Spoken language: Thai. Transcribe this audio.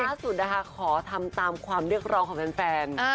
ล่าสุดนะคะขอทำตามความเรียกร้องของแฟน